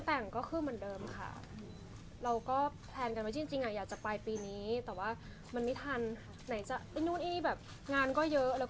แสนว่าเราก็ยังเป็นเตรียมงานแปลนงานแต่งไว้เหมือนเดิม